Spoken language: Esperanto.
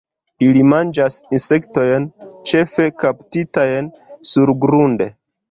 Ili manĝas insektojn, ĉefe kaptitajn surgrunde.